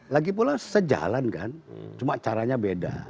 lagipula sejalan kan cuma caranya beda